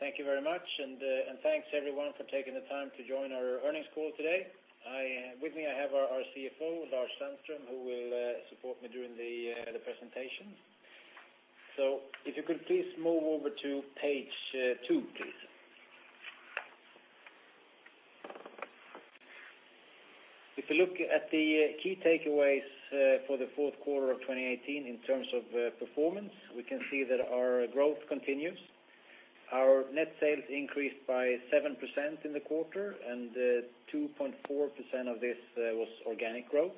Thank you very much, and thanks everyone for taking the time to join our earnings call today. With me, I have our CFO, Lars Sandström, who will support me during the presentation. So if you could please move over to page two, please. If you look at the key takeaways for the fourth quarter of 2018 in terms of performance, we can see that our growth continues. Our net sales increased by 7% in the quarter, and 2.4% of this was organic growth.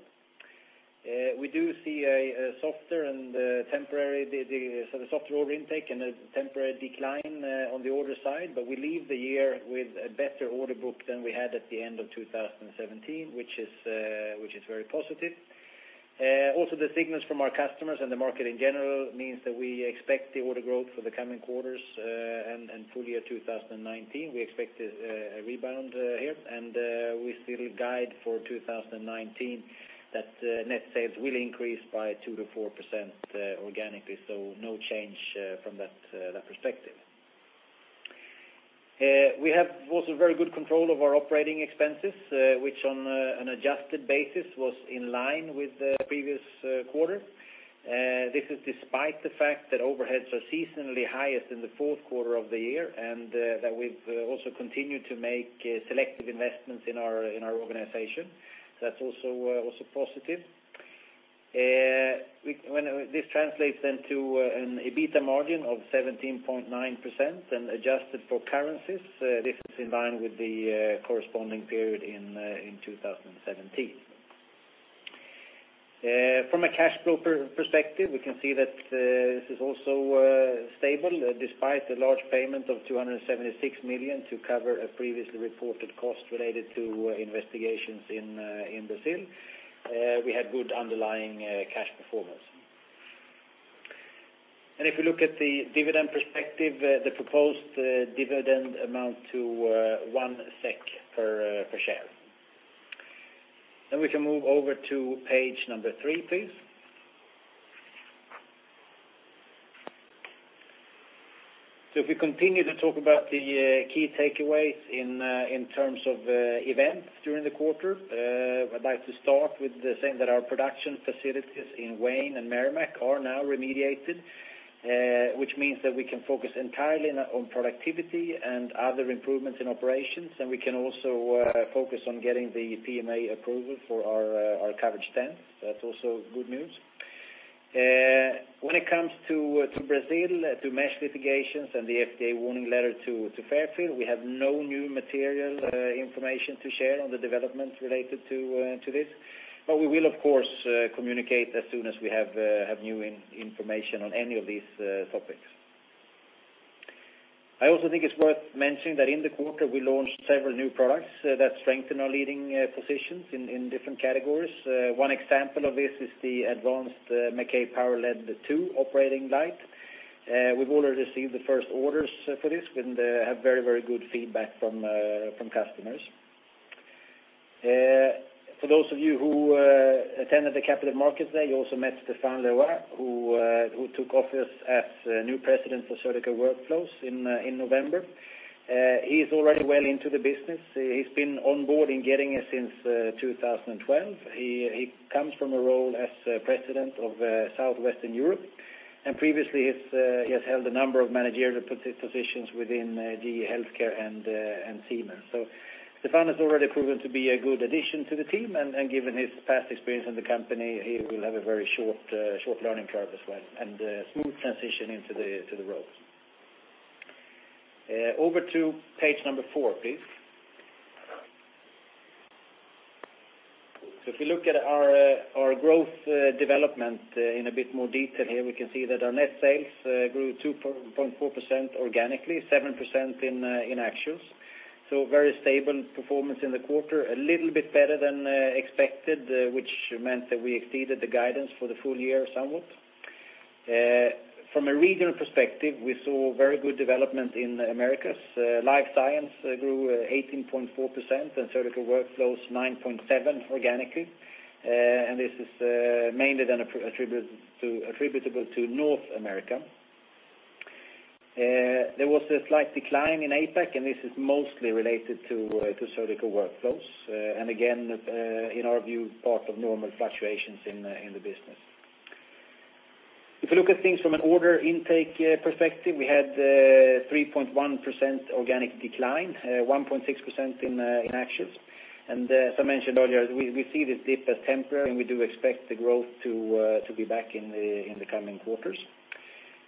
We do see a softer and temporary decline, so the softer order intake and a temporary decline on the order side, but we leave the year with a better order book than we had at the end of 2017, which is very positive. Also, the signals from our customers and the market in general means that we expect the order growth for the coming quarters and full year 2019. We expect a rebound here, and we still guide for 2019 that net sales will increase by 2%-4% organically, so no change from that perspective. We have also very good control of our operating expenses, which on an adjusted basis was in line with the previous quarter. This is despite the fact that overheads are seasonally highest in the fourth quarter of the year, and that we've also continued to make selective investments in our organization. That's also positive. This translates then to an EBITA margin of 17.9% and adjusted for currencies, this is in line with the corresponding period in 2017. From a cash flow perspective, we can see that this is also stable, despite the large payment of 276 million to cover a previously reported cost related to investigations in Brazil. We had good underlying cash performance. And if you look at the dividend perspective, the proposed dividend amounts to SEK 1 per share. Then we can move over to page number three, please. So if we continue to talk about the key takeaways in terms of events during the quarter, I'd like to start with saying that our production facilities in Wayne and Merrimack are now remediated, which means that we can focus entirely on productivity and other improvements in operations, and we can also focus on getting the PMA approval for our covered stent. That's also good news. When it comes to Brazil, to mesh litigation and the FDA warning letter to Fairfield, we have no new material information to share on the developments related to this. But we will, of course, communicate as soon as we have new information on any of these topics. I also think it's worth mentioning that in the quarter, we launched several new products that strengthen our leading positions in different categories. One example of this is the advanced Maquet PowerLED II operating light. We've already received the first orders for this and have very, very good feedback from customers. For those of you who attended the Capital Markets Day, you also met Stéphane Le Roy, who took office as new President for Surgical Workflows in November. He's already well into the business. He's been on board in Getinge since 2012. He comes from a role as president of South West Europe, and previously, he has held a number of managerial positions within GE HealthCare and Siemens. So Stéphane has already proven to be a good addition to the team, and given his past experience in the company, he will have a very short learning curve as well, and smooth transition into the role. Over to page number four, please. So if you look at our growth development in a bit more detail here, we can see that our net sales grew 2.4% organically, 7% in actuals. So very stable performance in the quarter, a little bit better than expected, which meant that we exceeded the guidance for the full year somewhat. From a regional perspective, we saw very good development in Americas. Life Science grew 18.4%, and Surgical Workflows, 9.7% organically. And this is mainly attributable to North America. There was a slight decline in APAC, and this is mostly related to Surgical Workflows, and again, in our view part of normal fluctuations in the business. If you look at things from an order intake perspective, we had 3.1% organic decline, 1.6% in actuals. And as I mentioned earlier, we see this dip as temporary, and we do expect the growth to be back in the coming quarters.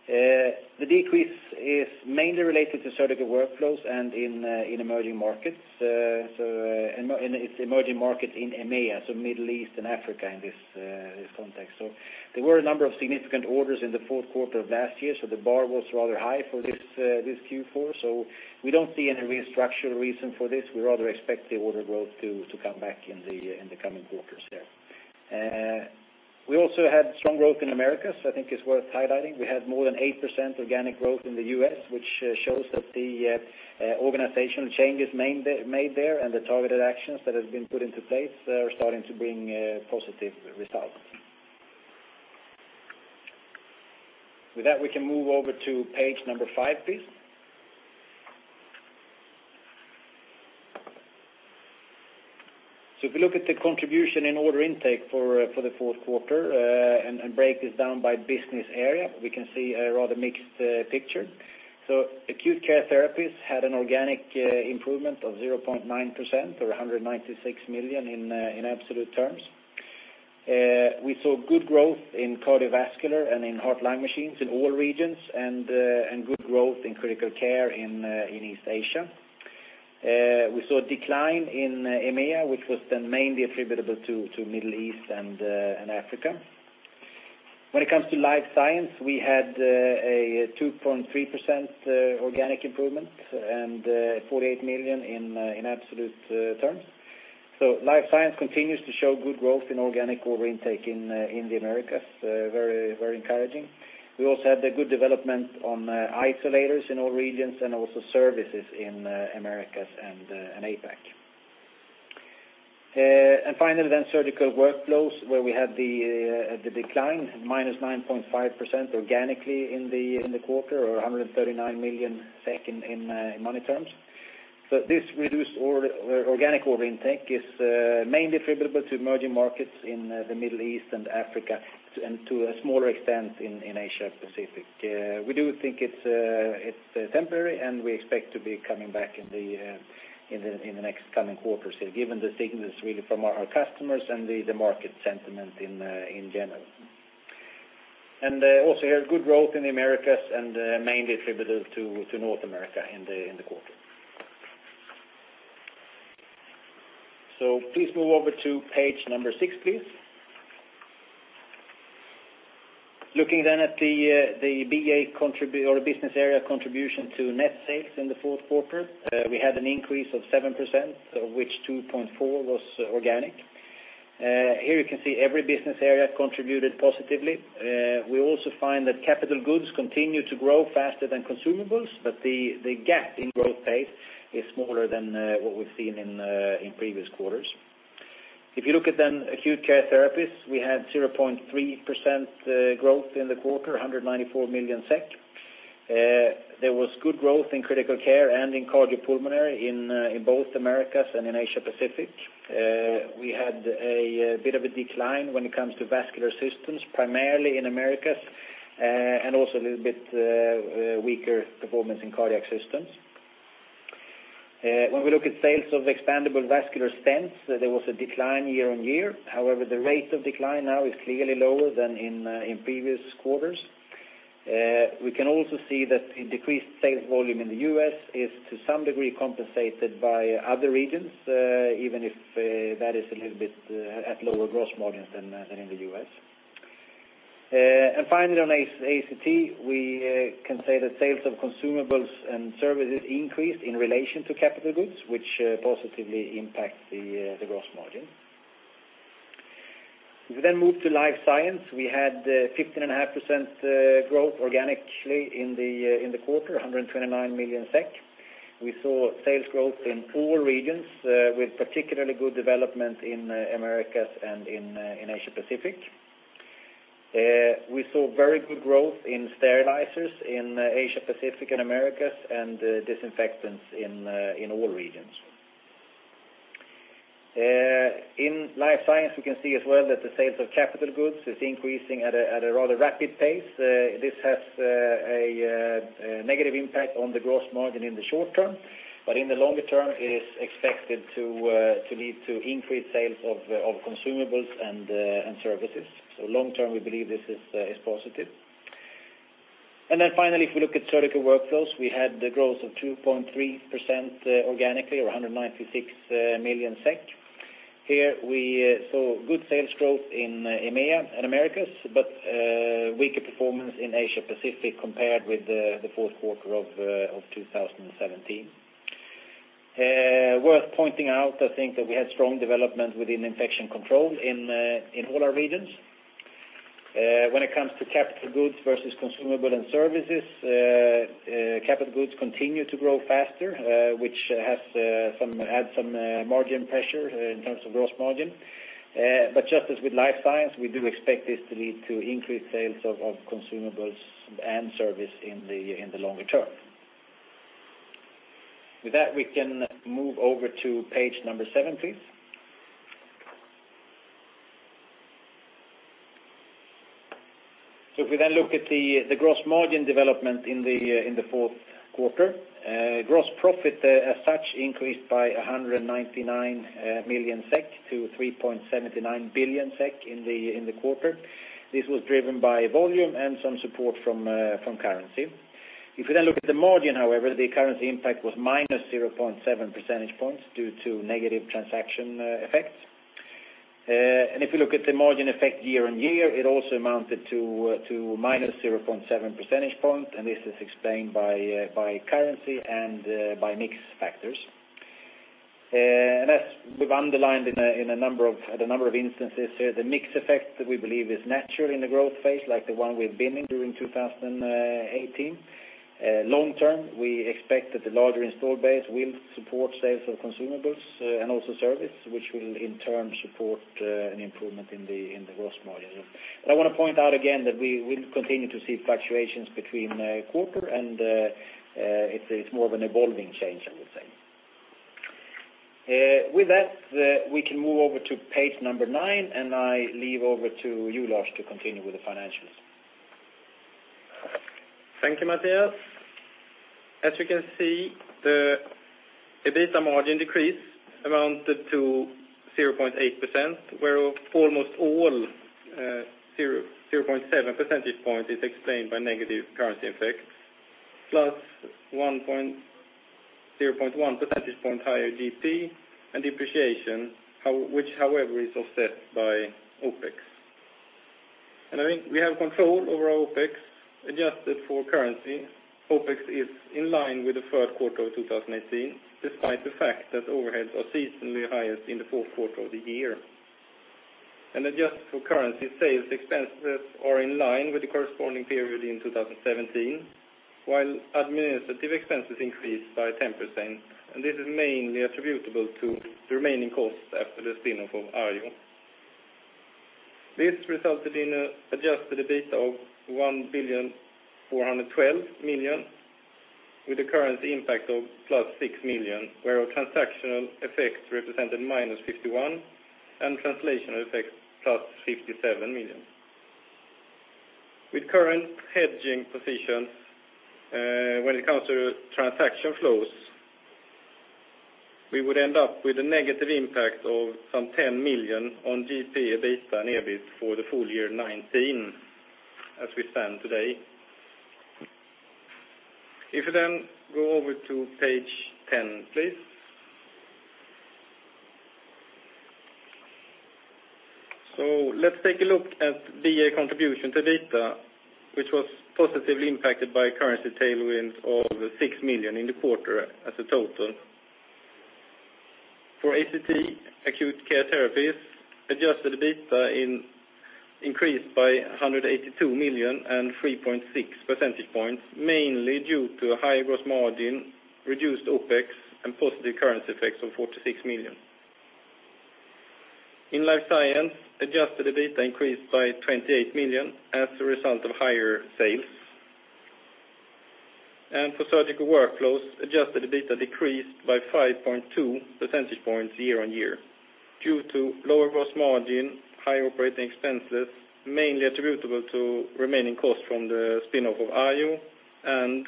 The decrease is mainly related to Surgical Workflows and in emerging markets, and it's emerging markets in EMEA, so Middle East and Africa in this context. So there were a number of significant orders in the fourth quarter of last year, so the bar was rather high for this Q4. So we don't see any structural reason for this. We rather expect the order growth to come back in the coming quarters there. We also had strong growth in Americas. I think it's worth highlighting. We had more than 8% organic growth in the U.S., which shows that the organizational changes made there and the targeted actions that have been put into place are starting to bring positive results. With that, we can move over to page five, please. So if you look at the contribution in order intake for the fourth quarter and break this down by business area, we can see a rather mixed picture. So Acute Care Therapies had an organic improvement of 0.9% or 196 million in absolute terms. We saw good growth in Cardiovascular and in heart-lung machines in all regions, and good growth in Critical Care in East Asia. We saw a decline in EMEA, which was then mainly attributable to Middle East and Africa. When it comes to life science, we had a 2.3% organic improvement, and 48 million in absolute terms. So life science continues to show good growth in organic order intake in the Americas, very, very encouraging. We also had the good development on isolators in all regions and also services in Americas and APAC. And finally, surgical workflows, where we had the decline, minus 9.5% organically in the quarter, or 139 million SEK in money terms. So this reduced organic order intake is mainly attributable to emerging markets in the Middle East and Africa, and to a smaller extent in Asia Pacific. We do think it's temporary, and we expect to be coming back in the next coming quarters, given the signals really from our customers and the market sentiment in general. And also had good growth in the Americas, and mainly attributable to North America in the quarter. So please move over to page number six, please. Looking then at the BA or the business area contribution to net sales in the fourth quarter, we had an increase of 7%, of which 2.4% was organic. Here you can see every business area contributed positively. We also find that capital goods continue to grow faster than consumables, but the gap in growth pace is smaller than what we've seen in previous quarters. If you look at the Acute Care Therapies, we had 0.3% growth in the quarter, 194 million SEK. There was good growth in critical care and in cardiopulmonary in both Americas and in Asia Pacific. We had a bit of a decline when it comes to vascular systems, primarily in Americas, and also a little bit weaker performance in cardiac systems. When we look at sales of expandable vascular stents, there was a decline year-on-year. However, the rate of decline now is clearly lower than in previous quarters. We can also see that the decreased sales volume in the U.S. is, to some degree, compensated by other regions, even if that is a little bit at lower gross margins than in the U.S. And finally, on ACT, we can say that sales of consumables and services increased in relation to capital goods, which positively impact the gross margin. If we then move to Life Science, we had 15.5% growth organically in the quarter, 129 million SEK. We saw sales growth in all regions, with particularly good development in Americas and in Asia Pacific. We saw very good growth in sterilizers in Asia Pacific and Americas, and disinfectants in all regions. In Life Science, we can see as well that the sales of capital goods is increasing at a rather rapid pace. This has a negative impact on the gross margin in the short term, but in the longer term, it is expected to lead to increased sales of consumables and services. So long term, we believe this is positive. And then finally, if we look at Surgical Workflows, we had the growth of 2.3% organically, or 196 million SEK. Here, we saw good sales growth in EMEA and Americas, but weaker performance in Asia Pacific compared with the fourth quarter of 2017. Worth pointing out, I think that we had strong development within Infection Control in all our regions. When it comes to Capital goods versus consumables and services, Capital goods continue to grow faster, which has had some margin pressure in terms of gross margin. But just as with Life Science, we do expect this to lead to increased sales of consumables and services in the longer term. With that, we can move over to page number seven, please. So if we then look at the gross margin development in the fourth quarter, gross profit as such increased by 199 million SEK to 3.79 billion SEK in the quarter. This was driven by volume and some support from currency. If you then look at the margin, however, the currency impact was minus 0.7 percentage points, due to negative transaction effects. And if you look at the margin effect year on year, it also amounted to minus 0.7 percentage points, and this is explained by currency and by mix factors. And as we've underlined in a number of instances here, the mix effect that we believe is natural in the growth phase, like the one we've been in during 2018. Long term, we expect that the larger install base will support sales of consumables and also service, which will in turn support an improvement in the gross margin. I want to point out again that we will continue to see fluctuations between quarter and it's, it's more of an evolving change, I would say. With that, we can move over to page number nine, and I leave over to you, Lars, to continue with the financials. Thank you, Mattias. As you can see, the EBITA margin decrease amounted to 0.8%, where almost all 0.7 percentage point is explained by negative currency effects, +0.1 percentage point higher GP and depreciation, which, however, is offset by OpEx. And I think we have control over our OpEx, adjusted for currency, OpEx is in line with the third quarter of 2018, despite the fact that overheads are seasonally highest in the fourth quarter of the year. And adjusted for currency, sales expenses are in line with the corresponding period in 2017, while administrative expenses increased by 10%, and this is mainly attributable to the remaining costs after the spin-off of Arjo. This resulted in an adjusted EBITA of 1,412 million, with a current impact of +6 million, where our transactional effects represented -51 million, and translational effects, +57 million. With current hedging positions, when it comes to transaction flows, we would end up with a negative impact of some 10 million on GP, EBITA, and EBIT for the full-year 2019, as we stand today. If you then go over to page 10, please. So let's take a look at the contribution to EBITA, which was positively impacted by currency tailwinds of 6 million in the quarter as a total. For ACT, Acute Care Therapies, adjusted EBITA increased by 182 million and 3.6 percentage points, mainly due to higher gross margin, reduced OpEx, and positive currency effects of 46 million. In Life Science, adjusted EBITA increased by 28 million as a result of higher sales. For Surgical Workflows, adjusted EBITA decreased by 5.2 percentage points year-on-year due to lower gross margin, higher operating expenses, mainly attributable to remaining costs from the spin-off of Arjo and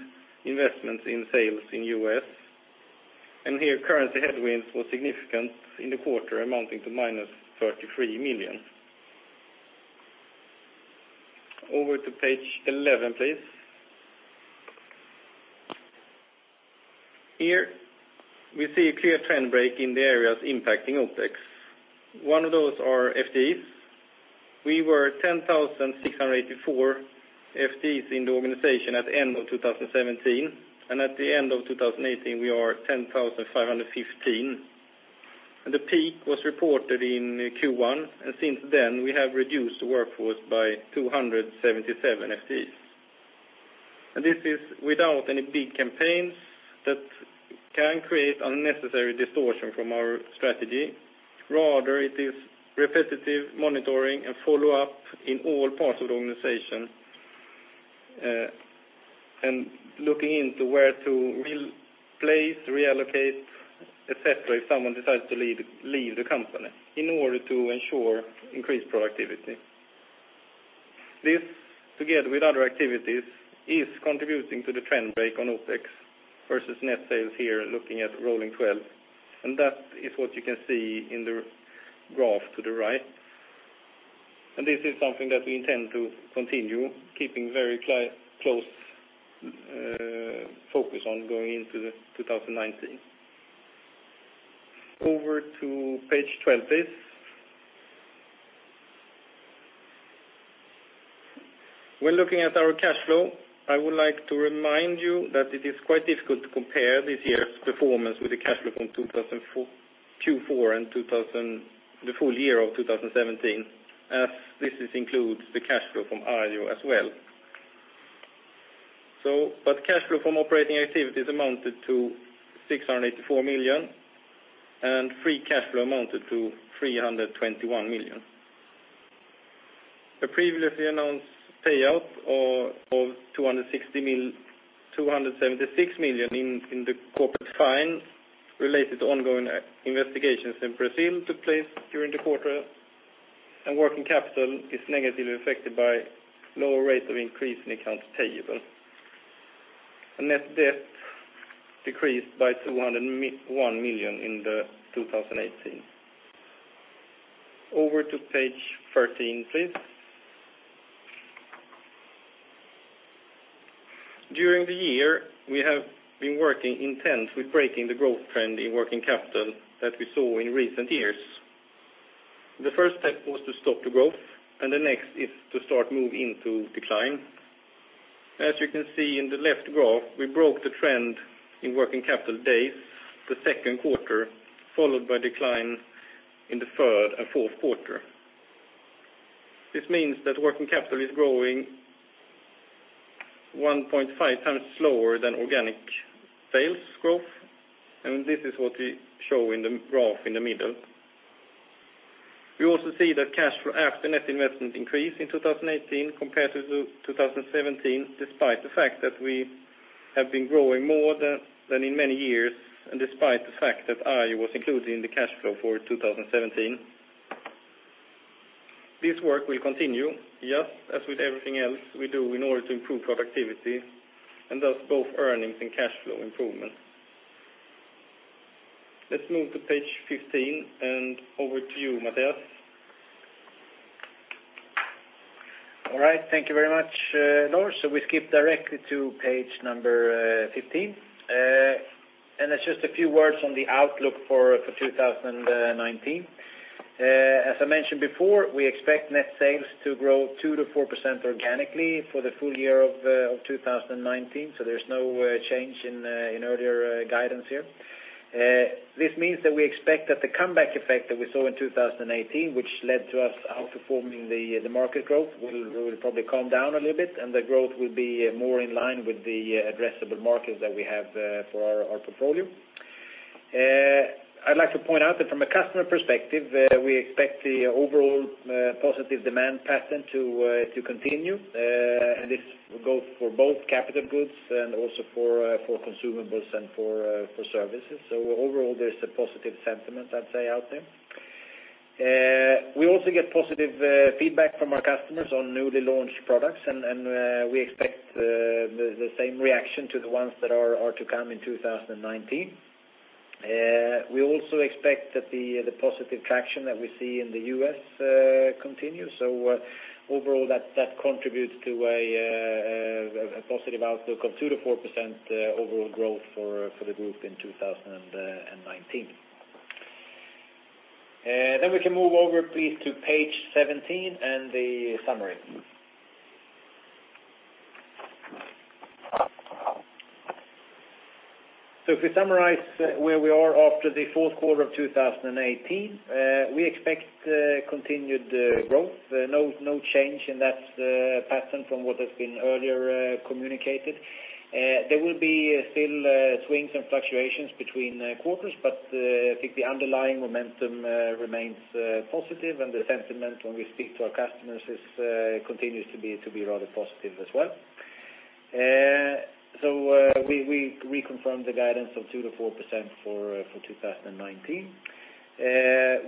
investments in sales in U.S. Here, currency headwinds were significant in the quarter, amounting to -33 million. Over to page 11, please. Here, we see a clear trend break in the areas impacting OpEx. One of those are FTEs. We were 10,684 FTEs in the organization at the end of 2017, and at the end of 2018, we are 10,515 FTEs. The peak was reported in Q1, and since then, we have reduced the workforce by 277 FTEs. This is without any big campaigns that can create unnecessary distortion from our strategy. Rather, it is repetitive monitoring and follow-up in all parts of the organization, and looking into where to re-place, reallocate, et cetera, if someone decides to leave the company in order to ensure increased productivity. This, together with other activities, is contributing to the trend break on OpEx versus net sales here, looking at rolling twelve, and that is what you can see in the graph to the right. And this is something that we intend to continue keeping very close focus on going into 2019. Over to page 12, please. When looking at our cash flow, I would like to remind you that it is quite difficult to compare this year's performance with the cash flow from Q4 and the full year of 2017, as this includes the cash flow from Arjo as well. Cash flow from operating activities amounted to 684 million, and free cash flow amounted to 321 million. The previously announced payout of 276 million in the corporate fine related to ongoing investigations in Brazil took place during the quarter, and working capital is negatively affected by lower rates of increase in accounts payable. Net debt decreased by 201 million in 2018. Over to page 13, please. During the year, we have been working intensely with breaking the growth trend in working capital that we saw in recent years. The first step was to stop the growth, and the next is to start moving into decline. As you can see in the left graph, we broke the trend in working capital days in the second quarter, followed by decline in the third and fourth quarters. This means that working capital is growing 1.5 times slower than organic sales growth, and this is what we show in the graph in the middle. We also see that cash flow after net investment increase in 2018 compared to 2017, despite the fact that we have been growing more than in many years, and despite the fact that I was included in the cash flow for 2017. This work will continue, just as with everything else we do, in order to improve productivity and thus both earnings and cash flow improvement. Let's move to page 15, and over to you, Mattias. All right, thank you very much, Lars. So we skip directly to page number 15. And it's just a few words on the outlook for 2019. As I mentioned before, we expect net sales to grow 2%-4% organically for the full year of 2019, so there's no change in earlier guidance here. This means that we expect that the comeback effect that we saw in 2018, which led to us outperforming the market growth, will probably calm down a little bit, and the growth will be more in line with the addressable markets that we have for our portfolio. I'd like to point out that from a customer perspective, we expect the overall positive demand pattern to continue. And this goes for both capital goods and also for consumables and for services. So overall, there's a positive sentiment, I'd say, out there. We also get positive feedback from our customers on newly launched products, and we expect the same reaction to the ones that are to come in 2019. We also expect that the positive traction that we see in the U.S. continues. So overall, that contributes to a positive outlook of 2%-4% overall growth for the group in 2019. Then we can move over, please, to page 17 and the summary. So to summarize where we are after the fourth quarter of 2018, we expect continued growth. No change in that pattern from what has been earlier communicated. There will be still swings and fluctuations between quarters, but I think the underlying momentum remains positive, and the sentiment when we speak to our customers is continues to be rather positive as well. So we reconfirm the guidance of 2%-4% for 2019.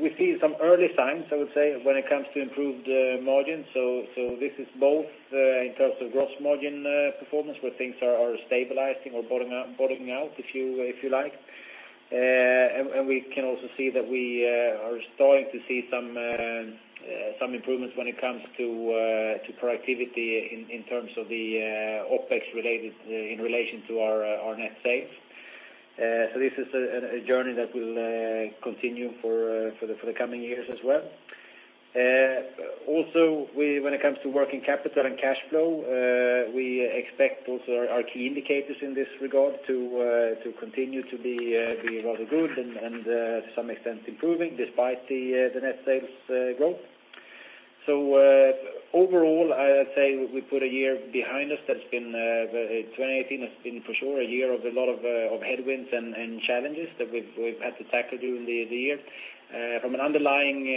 We see some early signs, I would say, when it comes to improved margin. So this is both in terms of gross margin performance, where things are stabilizing or bottoming out, if you like. And we can also see that we are starting to see some improvements when it comes to productivity in terms of the OpEx related in relation to our net sales. So this is a journey that will continue for the coming years as well. Also, we, when it comes to working capital and cash flow, we expect also our key indicators in this regard to continue to be rather good and some extent improving despite the net sales growth. So, overall, I'd say we put a year behind us that's been, 2018 has been for sure, a year of a lot of headwinds and challenges that we've had to tackle during the year. From an underlying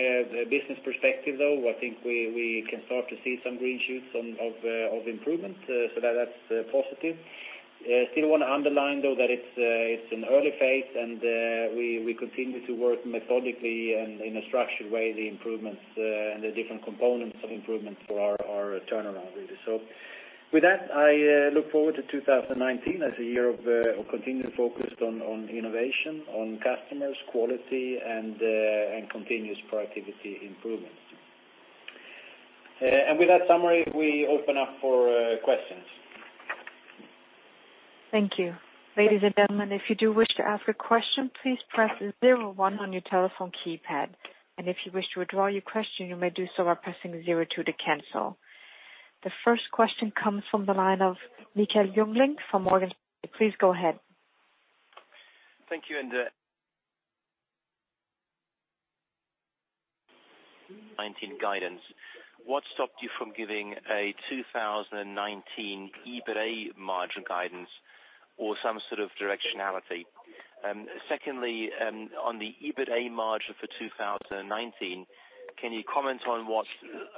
business perspective, though, I think we can start to see some green shoots of improvement, so that's positive. Still want to underline, though, that it's an early phase and we continue to work methodically and in a structured way, the improvements and the different components of improvement for our turnaround, really. So with that, I look forward to 2019 as a year of continued focus on innovation, on customers, quality, and continuous productivity improvements. With that summary, we open up for questions. Thank you. Ladies and gentlemen, if you do wish to ask a question, please press zero one on your telephone keypad, and if you wish to withdraw your question, you may do so by pressing zero two to cancel. The first question comes from the line of Michael Jüngling from Morgan Stanley. Please go ahead. Thank you, and 2019 guidance, what stopped you from giving a 2019 EBITA margin guidance or some sort of directionality? Secondly, on the EBITA margin for 2019, can you comment on what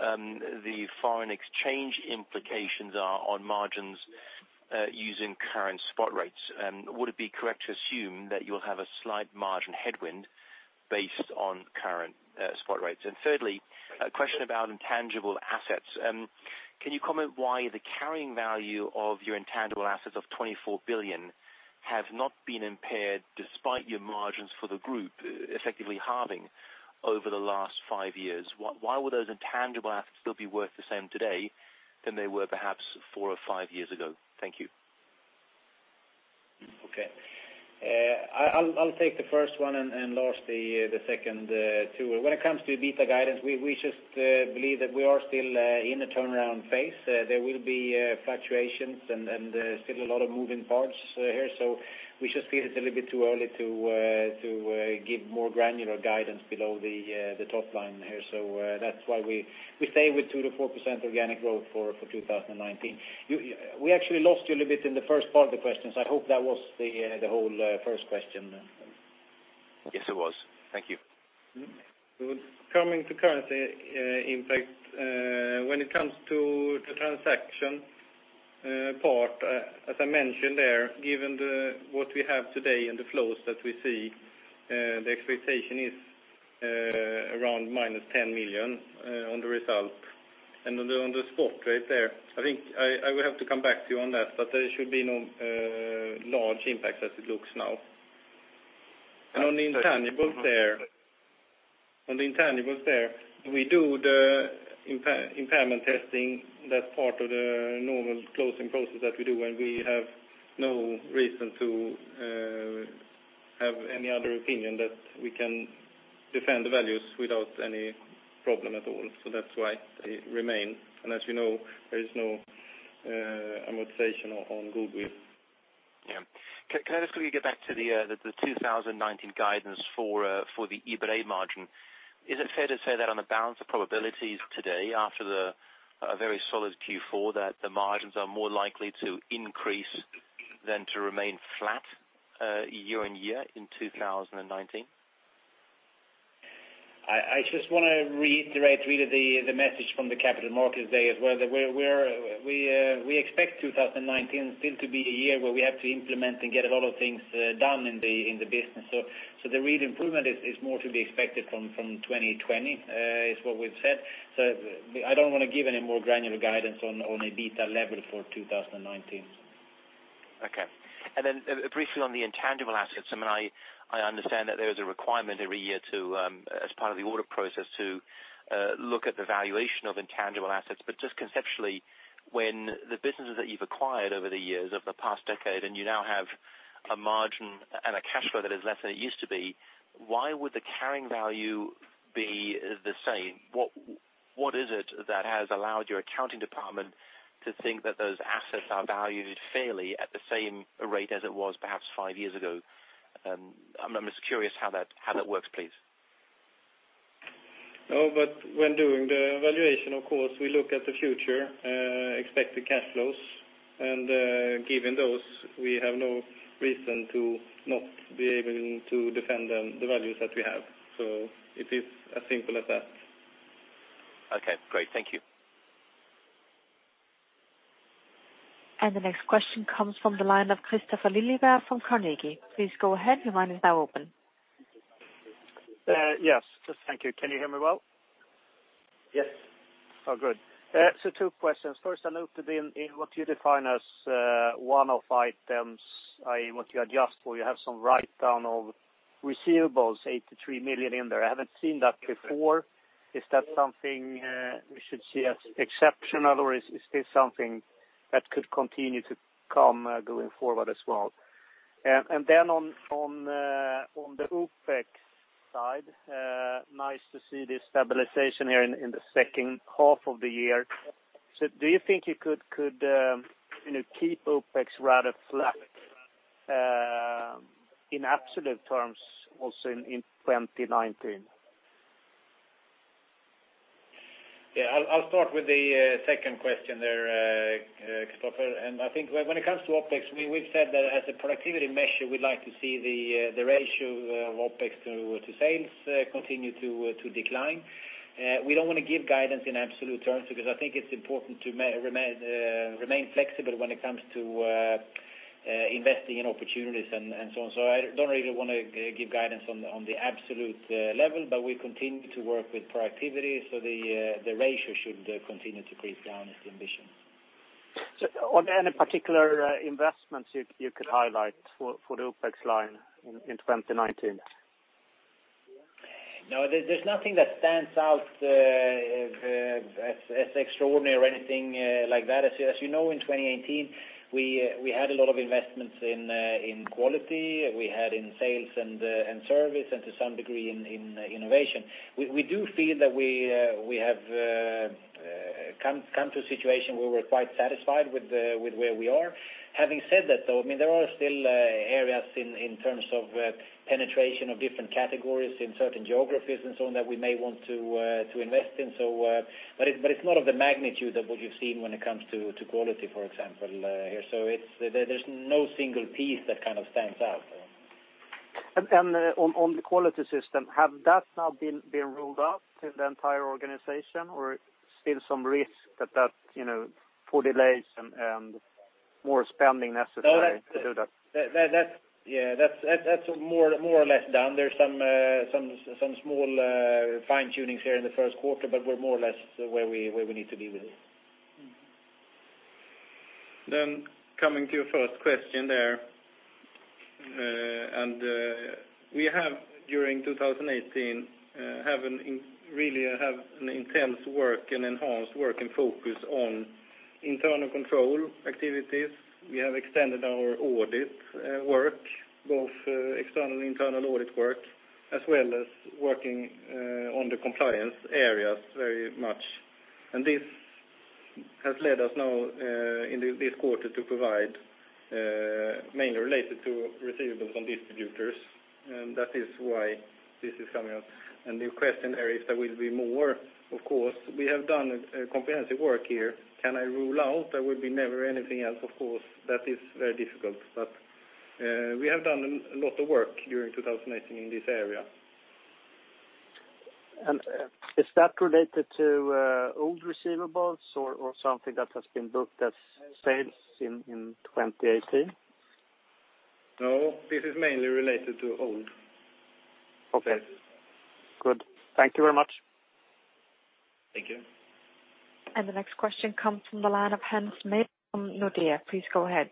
the foreign exchange implications are on margins using current spot rates? And would it be correct to assume that you'll have a slight margin headwind based on current spot rates? And thirdly, a question about intangible assets. Can you comment why the carrying value of your intangible assets of 24 billion have not been impaired, despite your margins for the group effectively halving over the last five years? Why would those intangible assets still be worth the same today than they were perhaps four or five years ago? Thank you. Okay. I'll take the first one, and Lars, the second two. When it comes to EBITA guidance, we just believe that we are still turnaround phase, there will be fluctuations and still a lot of moving parts here. So we just feel it's a little bit too early to to give more granular guidance below the the top line here. So that's why we stay with 2%-4% organic growth for 2019. You we actually lost you a little bit in the first part of the question, so I hope that was the whole first question then. Yes, it was. Thank you. Good. Coming to currency impact, when it comes to the transaction part, as I mentioned there, given what we have today and the flows that we see, the expectation is around -10 million on the result. And on the spot rate there, I think I will have to come back to you on that, but there should be no large impact as it looks now. And on the intangibles there, on the intangibles there, we do the impairment testing. That's part of the normal closing process that we do, and we have no reason to have any other opinion that we can defend the values without any problem at all. So that's why they remain. And as you know, there is no amortization on goodwill. Yeah. Can I just quickly get back to the 2019 guidance for the EBITA margin? Is it fair to say that on the balance of probabilities today, after a very solid Q4, that the margins are more likely to increase than to remain flat year-on-year in 2019? I just want to reiterate really the message from the Capital Markets Day as well, that we expect 2019 still to be a year where we have to implement and get a lot of things done in the business. So the real improvement is more to be expected from 2020 is what we've said. So I don't want to give any more granular guidance on a EBITA level for 2019. Okay. And then briefly on the intangible assets, I mean, I understand that there is a requirement every year to, as part of the order process, to look at the valuation of intangible assets. But just conceptually, when the businesses that you've acquired over the years, over the past decade, and you now have a margin and a cash flow that is less than it used to be, why would the carrying value be the same? What is it that has allowed your accounting department to think that those assets are valued fairly at the same rate as it was perhaps five years ago? I'm just curious how that works, please. No, but when doing the valuation, of course, we look at the future, expected cash flows, and, given those, we have no reason to not be able to defend the values that we have. So it is as simple as that. Okay, great. Thank you. The next question comes from the line of Kristofer Liljeberg from Carnegie. Please go ahead. Your line is now open. Yes. Just thank you. Can you hear me well? Yes. Oh, good. So, two questions. First, I looked in what you define as one-off items, i.e., what you adjust for. You have some write-down of receivables, 83 million, in there. I haven't seen that before. Is that something we should see as exceptional, or is this something that could continue to come going forward as well? And then on the OpEx side, nice to see the stabilization here in the second half of the year. So do you think you could, you know, keep OpEx rather flat in absolute terms also in 2019? Yeah, I'll start with the second question there, Kristofer. And I think when it comes to OpEx, we've said that as a productivity measure, we'd like to see the ratio of OpEx to sales continue to decline. We don't want to give guidance in absolute terms because I think it's important to remain flexible when it comes to investing in opportunities and so on. So I don't really want to give guidance on the absolute level, but we continue to work with productivity, so the ratio should continue to creep down is the ambition. On any particular investments you could highlight for the OpEx line in 2019? No, there's nothing that stands out as extraordinary or anything like that. As you know, in 2018, we had a lot of investments in quality. We had in sales and service, and to some degree, in innovation. We do feel that we have come to a situation where we're quite satisfied with where we are. Having said that, though, I mean, there are still areas in terms of penetration of different categories in certain geographies and so on, that we may want to invest in so, but it's not of the magnitude of what you've seen when it comes to quality, for example, here. So it's, there's no single piece that kind of stands out. On the quality system, have that now been rolled out to the entire organization, or still some risk that, you know, for delays and more spending necessary to do that? Yeah, that's more or less done. There's some small fine-tunings here in the first quarter, but we're more or less where we need to be with it. Then, coming to your first question there, and we have during 2018 really have an intense work and enhanced work and focus on internal control activities, we have extended our audit work, both external and internal audit work, as well as working on the compliance areas very much. And this has led us now in this quarter to provide mainly related to receivables on distributors, and that is why this is coming out. And the question there is there will be more, of course, we have done a comprehensive work here. Can I rule out there will be never anything else? Of course, that is very difficult, but we have done a lot of work during 2018 in this area. Is that related to old receivables or something that has been booked as sales in 2018? No, this is mainly related to old. Okay. Good. Thank you very much. Thank you. The next question comes from the line of Hans Mähler from Nordea. Please go ahead.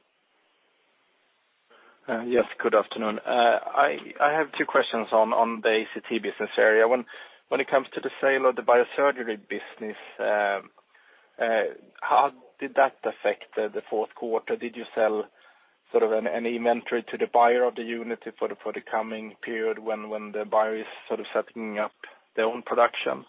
Yes, good afternoon. I have two questions on the ACT business area. When it comes to the sale of the biosurgery business, how did that affect the fourth quarter? Did you sell sort of an inventory to the buyer of the unit for the coming period, when the buyer is sort of setting up their own production?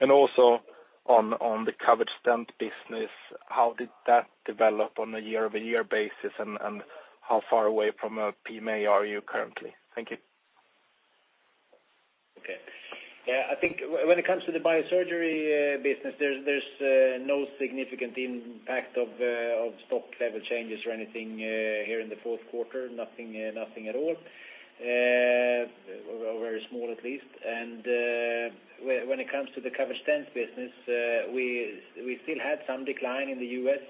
And also on the covered stent business, how did that develop on a year-over-year basis, and how far away from PMA are you currently? Thank you. Okay. Yeah, I think when it comes to the Biosurgery business, there's no significant impact of stock level changes or anything here in the fourth quarter. Nothing, nothing at all, or very small, at least. And when it comes to the covered stents business, we still had some decline in the U.S.,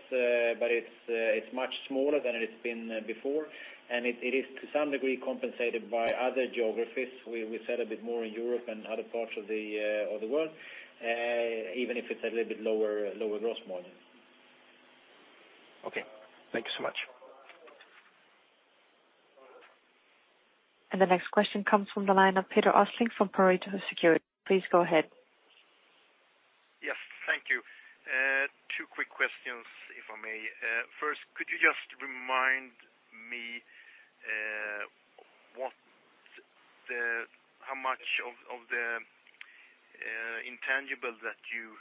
but it's much smaller than it's been before, and it is to some degree compensated by other geographies. We sell a bit more in Europe and other parts of the world, even if it's a little bit lower gross margin. Okay, thank you so much. The next question comes from the line of Peter Östling from Pareto Securities. Please go ahead. Yes, thank you. Two quick questions, if I may. First, could you just remind me, how much of the intangible that you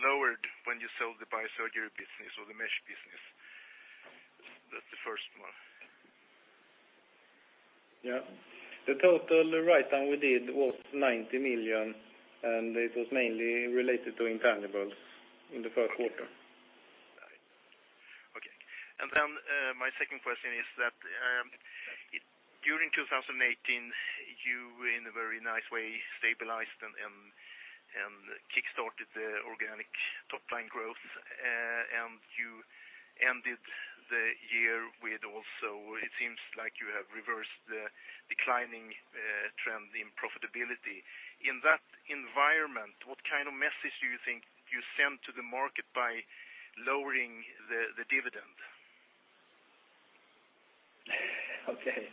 lowered when you sold the Biosurgery business or the Mesh business? That's the first one. Yeah. The total write-down we did was 90 million, and it was mainly related to intangibles in the first quarter. Okay. And then, my second question is that, during 2018, you in a very nice way, stabilized and kickstarted the organic top line growth, and you ended the year with also, it seems like you have reversed the declining trend in profitability. In that environment, what kind of message do you think you send to the market by lowering the dividend? Okay.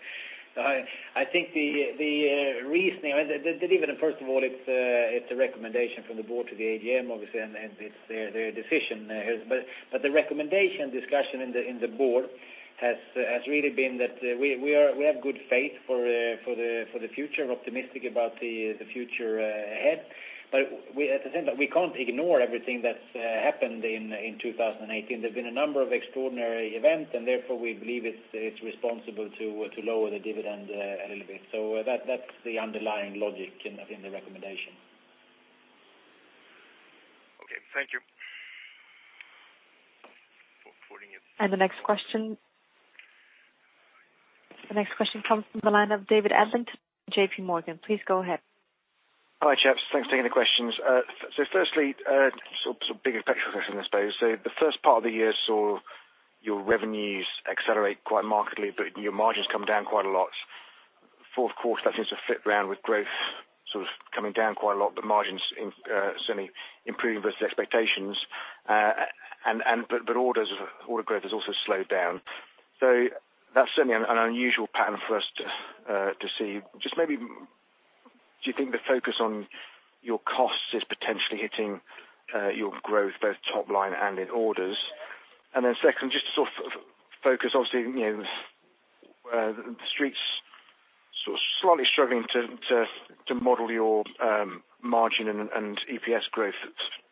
I think the reasoning, the dividend, first of all, it's a recommendation from the board to the AGM, obviously, and it's their decision. But the recommendation discussion in the board has really been that we have good faith for the future, optimistic about the future ahead. But at the same time, we can't ignore everything that's happened in 2018. There have been a number of extraordinary events, and therefore, we believe it's responsible to lower the dividend a little bit. So that's the underlying logic in the recommendation. Okay, thank you. The next question, the next question comes from the line of David Adlington, JPMorgan. Please go ahead. Hi, chaps. Thanks for taking the questions. So firstly, big picture question, I suppose. So the first part of the year saw your revenues accelerate quite markedly, but your margins come down quite a lot. Fourth quarter, that seems to flip around with growth sort of coming down quite a lot, but margins certainly improving versus expectations, and but orders order growth has also slowed down. So that's certainly an unusual pattern for us to see. Just maybe, do you think the focus on your costs is potentially hitting your growth, both top line and in orders? And then second, just to sort of focus, obviously, you know, the streets sort of slightly struggling to model your margin and EPS growth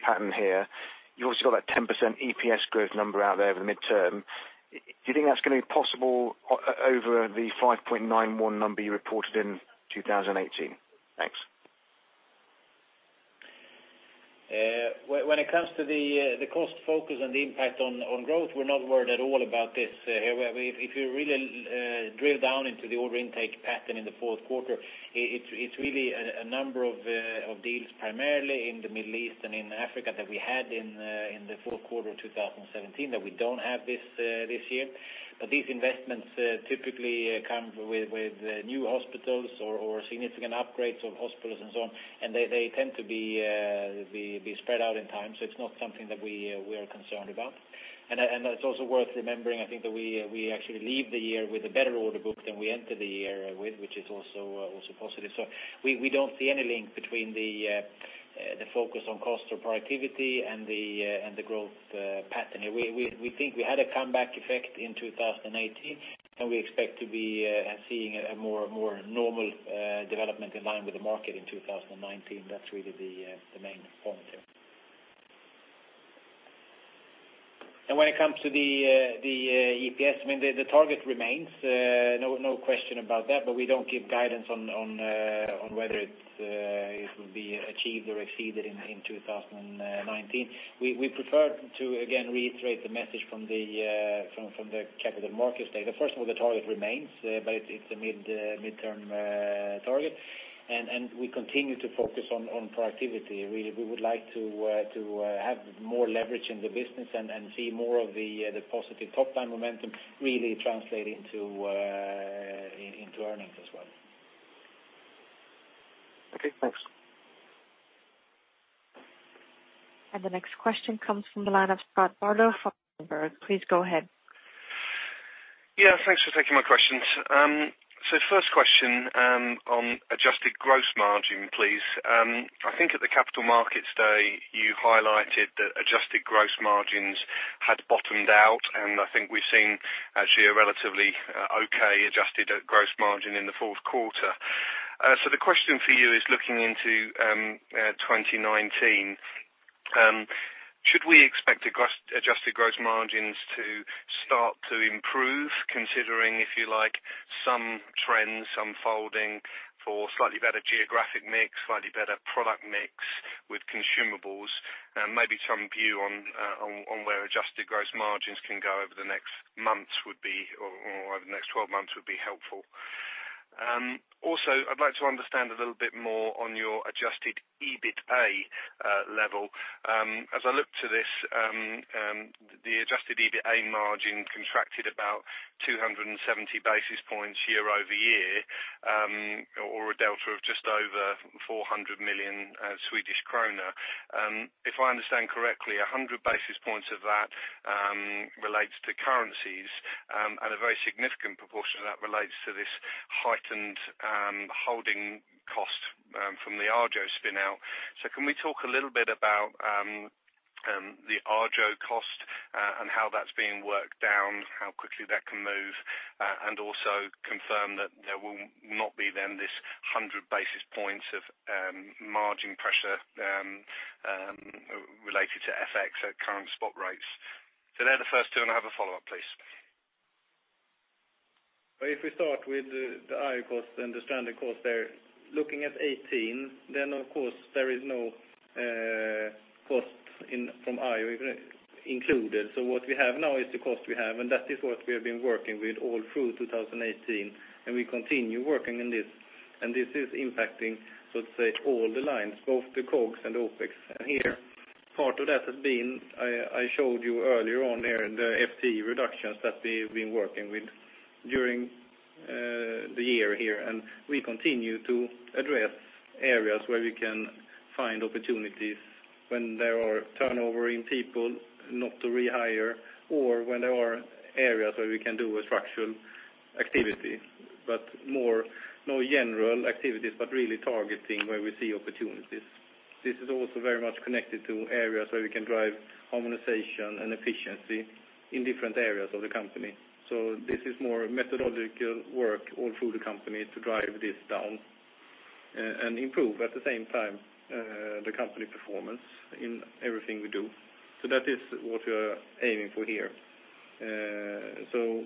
pattern here. You've also got that 10% EPS growth number out there over the midterm. Do you think that's going to be possible over the 5.91 number you reported in 2018? Thanks. When, when it comes to the cost focus and the impact on growth, we're not worried at all about this here. If you really, drill down into the order intake pattern in the fourth quarter, it's really a number of deals, primarily in the Middle East and in Africa, that we had in the fourth quarter of 2017, that we don't have this year. But these investments, typically, come with new hospitals or significant upgrades of hospitals and so on, and they tend to be spread out in time, so it's not something that we are concerned about. It's also worth remembering, I think, that we actually leave the year with a better order book than we entered the year with, which is also positive. So we don't see any link between the focus on cost or productivity and the growth pattern. We think we had a comeback effect in 2018, and we expect to be seeing a more normal development in line with the market in 2019. That's really the main point here. And when it comes to the EPS, I mean, the target remains, no question about that, but we don't give guidance on whether it will be achieved or exceeded in 2019. We prefer to again reiterate the message from the capital markets day, that first of all, the target remains, but it's a midterm target. We continue to focus on productivity. We would like to have more leverage in the business and see more of the positive top line momentum really translate into earnings as well. Okay, thanks. The next question comes from the line of Scott Bardo from Berenberg. Please go ahead. Yeah, thanks for taking my questions. So first question, on adjusted gross margin, please. I think at the Capital Markets Day, you highlighted that adjusted gross margins had bottomed out, and I think we've seen actually a relatively okay adjusted gross margin in the fourth quarter. So the question for you is looking into 2019, should we expect adjusted gross margins to start to improve, considering, if you like, some trends unfolding for slightly better geographic mix, slightly better product mix with consumables, and maybe some view on where adjusted gross margins can go over the next months would be, or over the next 12 months, would be helpful. Also, I'd like to understand a little bit more on your adjusted EBITA level. As I look to this, the adjusted EBITA margin contracted about 270 basis points year-over-year, or a delta of just over 400 million Swedish kronor. If I understand correctly, 100 basis points of that relates to currencies, and a very significant proportion of that relates to this heightened holding cost from the Arjo spin-out. So can we talk a little bit about the Arjo cost, and how that's being worked down, how quickly that can move? And also confirm that there will not be then this 100 basis points of margin pressure related to FX at current spot rates. So they're the first two, and I have a follow-up, please. Well, if we start with the Arjo cost and the stranded cost there, looking at 2018, then of course there is no cost in from Arjo included. So what we have now is the cost we have, and that is what we have been working with all through 2018, and we continue working on this, and this is impacting, so to say, all the lines, both the COGS and the OpEx. And here, part of that has been, I showed you earlier on there, the FTE reductions that we've been working with during the year here, and we continue to address areas where we can find opportunities when there are turnover in people, not to rehire, or when there are areas where we can do a structural activity, but more, no general activities, but really targeting where we see opportunities. This is also very much connected to areas where we can drive harmonization and efficiency in different areas of the company. So this is more methodological work all through the company to drive this down and improve at the same time the company performance in everything we do. So that is what we are aiming for here. So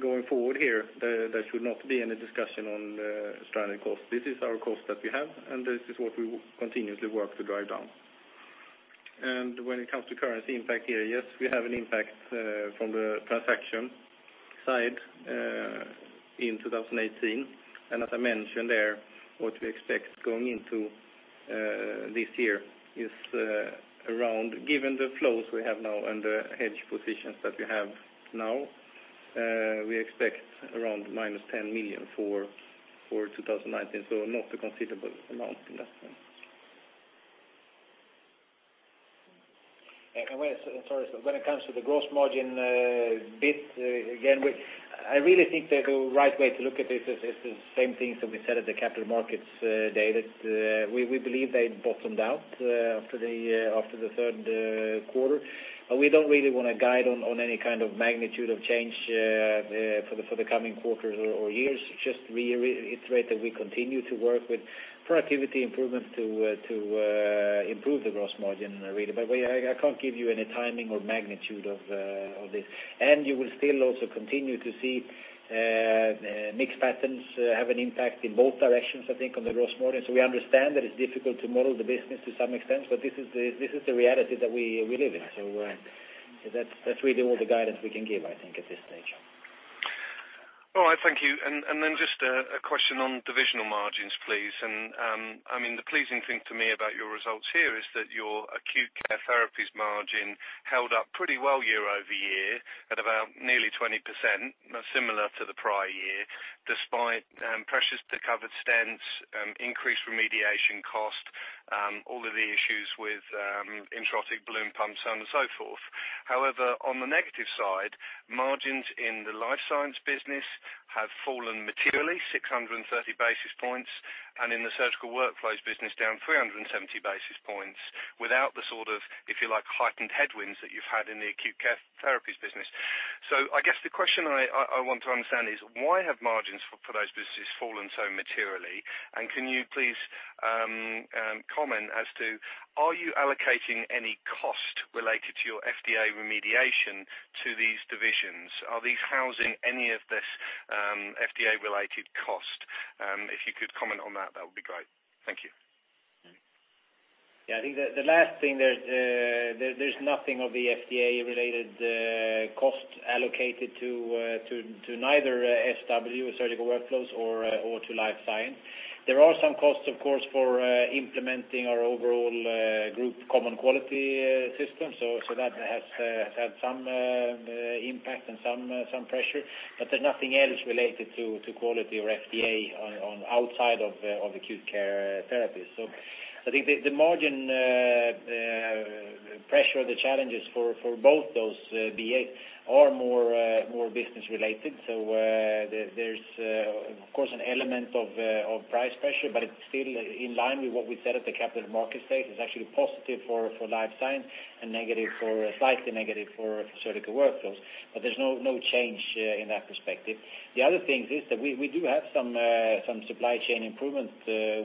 going forward here, there should not be any discussion on stranded costs. This is our cost that we have, and this is what we continuously work to drive down. And when it comes to currency impact here, yes, we have an impact from the transaction side in 2018. As I mentioned there, what we expect going into this year is around, given the flows we have now and the hedge positions that we have now, we expect around -10 million for 2019, so not a considerable amount in that sense. When, sorry, when it comes to the gross margin, bit, again, we, I really think that the right way to look at this is the same thing that we said at the Capital Markets day, that we believe they bottomed out after the third quarter. We don't really want to guide on any kind of magnitude of change for the coming quarters or years. Just reiterate that we continue to work with productivity improvements to improve the gross margin, really. But we, I can't give you any timing or magnitude of this. And you will still also continue to see mixed patterns have an impact in both directions, I think, on the gross margin. We understand that it's difficult to model the business to some extent, but this is the reality that we live in. So, that's really all the guidance we can give, I think, at this stage. All right, thank you. And then just a question on divisional margins, please. And, I mean, the pleasing thing to me about your results here is that your Acute Care Therapies margin held up pretty well year-over-year, at about nearly 20%, similar to the prior year, despite pressures to covered stents, increased remediation cost, all of the issues with intra-aortic balloon pumps and so forth. However, on the negative side, margins in the Life Science business have fallen materially, 630 basis points, and in the Surgical Workflows business, down 370 basis points. Without the sort of, if you like, heightened headwinds that you've had in the Acute Care Therapies business. So I guess the question I want to understand is, why have margins for those businesses fallen so materially? Can you please comment as to, are you allocating any cost related to your FDA remediation to these divisions? Are these housing any of this FDA-related cost? If you could comment on that, that would be great. Thank you. Yeah, I think the last thing, there's nothing of the FDA-related cost allocated to neither SW, Surgical Workflows, or to Life Science. There are some costs, of course, for implementing our overall group common quality system. So that has had some impact and some pressure, but there's nothing else related to quality or FDA outside of Acute Care Therapies. So I think the margin pressure or the challenges for both those BA are more business related. So there's of course an element of price pressure, but it's still in line with what we said at the Capital Markets Day. It's actually positive for Life Science and negative for, slightly negative for Surgical Workflows, but there's no change in that perspective. The other thing is that we do have some supply chain improvement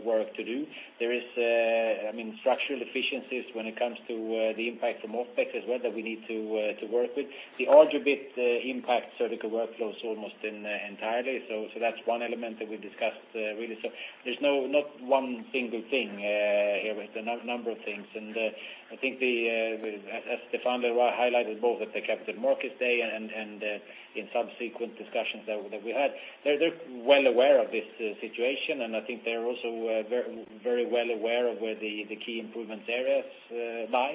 work to do. There is, I mean, structural efficiencies when it comes to the impact from OpEx as well, that we need to work with. The Arjo impact Surgical Workflows almost entirely, so that's one element that we discussed really. So there's not one single thing here, with a number of things. I think, as Stefan highlighted, both at the Capital Markets Day and in subsequent discussions that we had, they're well aware of this situation, and I think they're also very, very well aware of where the key improvement areas lie.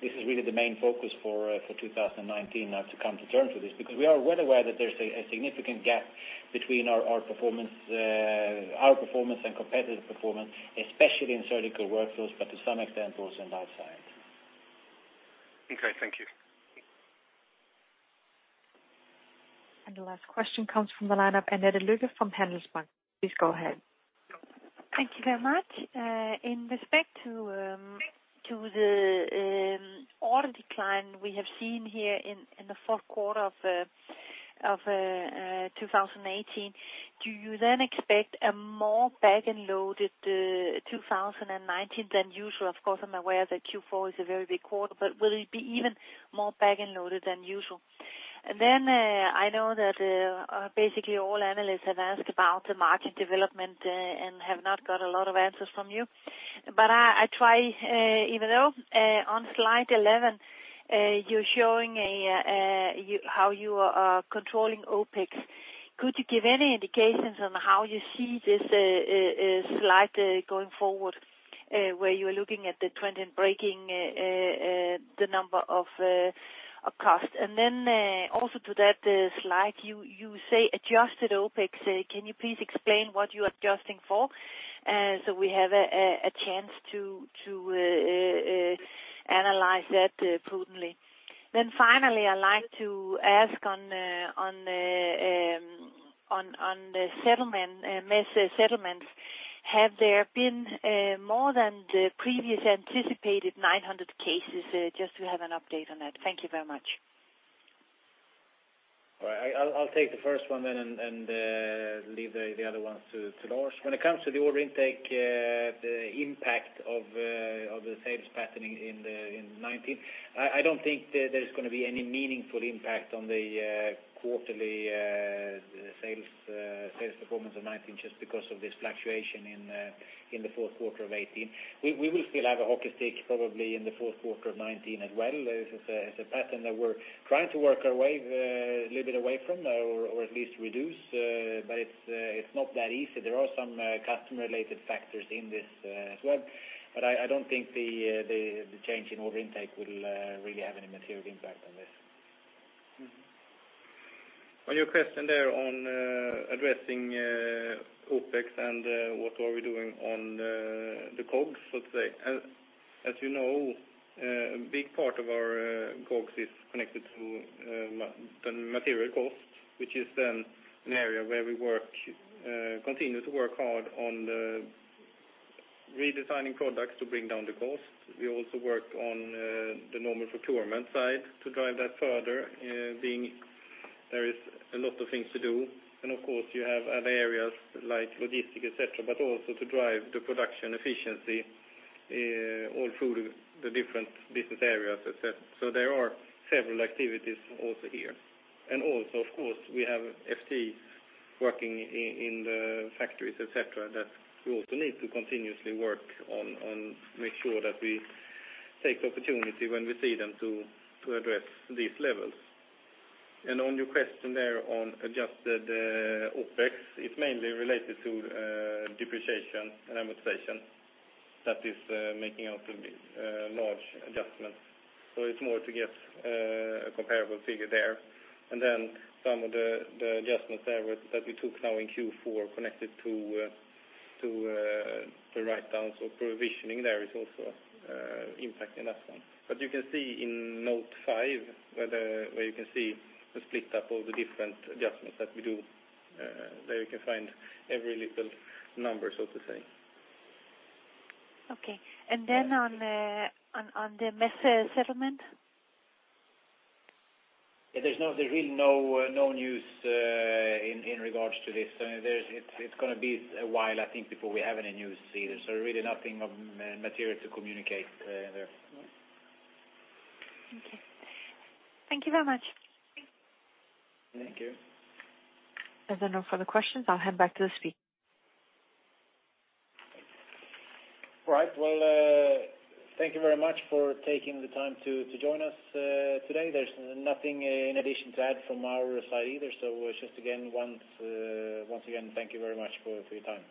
This is really the main focus for 2019, now, to come to terms with this, because we are well aware that there's a significant gap between our performance and competitive performance, especially in Surgical Workflows, but to some extent, also in Life Science. Okay, thank you. The last question comes from the line of Annette Lykke from Handelsbanken. Please go ahead. Thank you very much. In respect to the order decline we have seen here in the fourth quarter of 2018, do you then expect a more back-ended loaded 2019 than usual? Of course, I'm aware that Q4 is a very big quarter, but will it be even more back-ended loaded than usual? And then I know that basically all analysts have asked about the margin development and have not got a lot of answers from you. But I try even though on slide 11 you're showing how you are controlling OpEx. Could you give any indications on how you see this slide going forward, where you are looking at the trend and breaking the number of cost? And then, also to that slide, you say adjusted OpEx. Can you please explain what you are adjusting for? So we have a chance to analyze that prudently. Then finally, I'd like to ask on the settlement, mesh settlements. Have there been more than the previous anticipated 900 cases? Just to have an update on that. Thank you very much. All right. I'll take the first one then, and leave the other ones to Lars. When it comes to the order intake, the impact of the sales patterning in 2019, I don't think there's going to be any meaningful impact on the quarterly sales performance of 2019 just because of this fluctuation in the fourth quarter of 2018. We will still have a hockey stick, probably in the fourth quarter of 2019 as well. It's a pattern that we're trying to work our way a little bit away from, or at least reduce, but it's not that easy. There are some customer-related factors in this as well, but I don't think the change in order intake will really have any material impact on this. On your question there on addressing OpEx and what are we doing on the COGS, so to say. As you know, a big part of our COGS is connected to the material cost, which is then an area where we continue to work hard on the redesigning products to bring down the cost. We also work on the normal procurement side to drive that further, being there is a lot of things to do, and of course, you have other areas like logistic, et cetera, but also to drive the production efficiency all through the different business areas, et cetera. So there are several activities also here. And also, of course, we have FT working in the factories, et cetera, that we also need to continuously work on, make sure that we take the opportunity when we see them to address these levels. And on your question there on adjusted OpEx, it's mainly related to depreciation and amortization. That is, making out large adjustments, so it's more to get a comparable figure there. And then some of the adjustments there that we took now in Q4, connected to the write-downs or provisioning there is also impacting that one. But you can see in note five, where you can see the split up, all the different adjustments that we do, there you can find every little number, so to say. Okay. And then on the mesh settlement? Yeah, there's really no news in regards to this. It's going to be a while, I think, before we have any news either. So really nothing of material to communicate there. Okay. Thank you very much. Thank you. As there are no further questions, I'll hand back to the speaker. All right. Well, thank you very much for taking the time to join us today. There's nothing in addition to add from our side either. So just again, once again, thank you very much for your time.